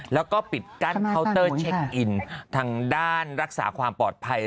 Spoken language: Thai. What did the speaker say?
แล้วก็ปิดกั้นเคาน์เตอร์เช็คอินทางด้านรักษาความปลอดภัย